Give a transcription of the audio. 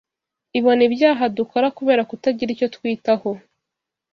Ibona ibyaha dukora kubera kutagira icyo twitaho